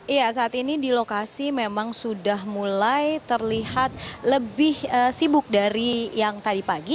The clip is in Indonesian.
iya saat ini di lokasi memang sudah mulai terlihat lebih sibuk dari yang tadi pagi